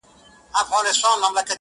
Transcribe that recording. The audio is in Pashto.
ځيني يې سخت واقعيت ګڼي ډېر,